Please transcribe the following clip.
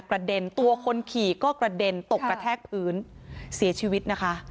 เด็นตัวคนขี่ก็กระเด็นตกกระแทกพื้นเสียชีวิตนะคะ